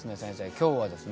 今日はですね